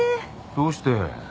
どうして？